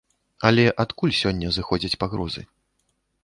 Але адкуль сёння зыходзяць пагрозы?